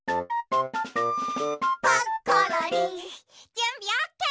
じゅんびオッケー！